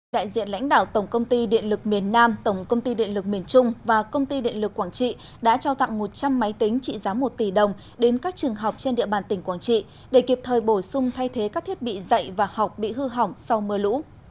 đại diện lãnh đạo tổng công ty điện lực miền nam tổng công ty điện lực miền trung và công ty điện lực quảng trị đã trao tặng một trăm linh máy tính trị giá một tỷ đồng đến các trường học trên địa bàn tỉnh quảng trị để kịp thời bổ sung thay thế các thiết bị dạy và học bị hư hỏng sau mưa lũ